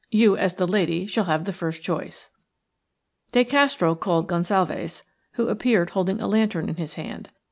You as the lady shall have the first choice." De Castro called Gonsalves, who appeared holding a lantern in his hand.